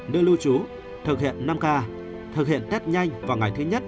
nơi lưu trú thực hiện năm k thực hiện test nhanh vào ngày thứ nhất